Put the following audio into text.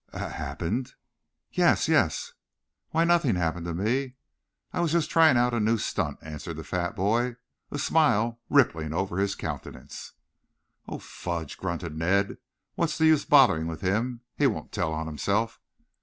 "Ha ha happened?" "Yes, yes." "Why nothing happened to me. I I was just trying out a new stunt," answered the fat boy, a smile rippling over his countenance. "Oh, fudge!" grunted Ned. "What's the use bothering with him? He won't tell on himself."